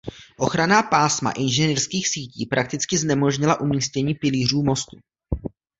Ochranná pásma inženýrských sítí prakticky znemožnila umístění pilířů mostu.